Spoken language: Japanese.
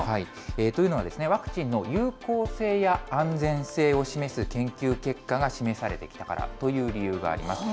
というのは、ワクチンの有効性や安全性を示す研究結果が示されてきたからという理由があります。